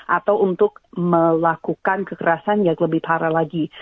atau untuk melakukan kekerasan yang lebih parah lagi